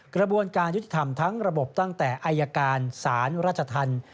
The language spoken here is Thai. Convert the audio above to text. กระบวนการยุติธรรมทั้งระบบตั้งแต่อายการศาลราชธรรม